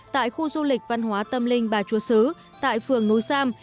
tại khu du lịch văn hóa tâm linh bà chúa sứ tại phường núi sam